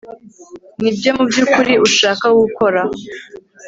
Nibyo mubyukuri ushaka gukora